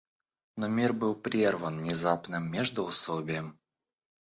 Но мир был прерван незапным междуусобием.